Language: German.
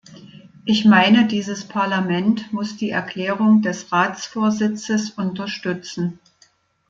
Ich meine, dieses Parlament muss die Erklärung des Ratsvorsitzes unterstützen.